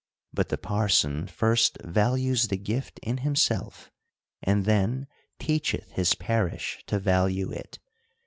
— But the parson first values the gift in himself, and then teacheth his parish to value it.